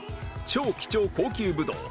超貴重高級ブドウ